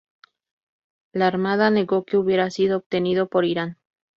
La Armada negó que hubiera sido obtenido por Irán.